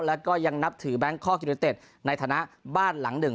แล้วก็ยังนับถือแบงคอกยูเนเต็ดในฐานะบ้านหลังหนึ่ง